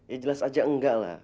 ya jelas aja enggak lah